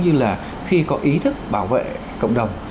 như là khi có ý thức bảo vệ cộng đồng